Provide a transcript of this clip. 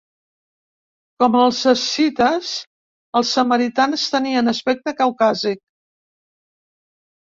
Com els escites, els samaritans tenien aspecte caucàsic.